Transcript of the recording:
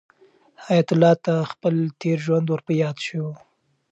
حیات الله ته خپل تېر ژوند ور په یاد شو.